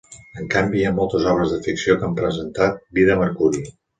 En canvi, hi ha moltes obres de ficció que han presentat vida a Mercuri.